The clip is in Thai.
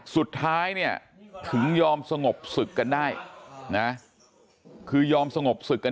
สุดท้ายเนี่ยถึงยอมสงบศึกกันได้นะคือยอมสงบศึกกัน